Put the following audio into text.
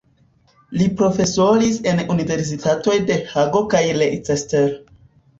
Li profesoris en universitatoj de Hago kaj Leicester.